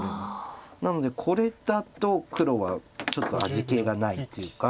なのでこれだと黒はちょっと味気がないというか。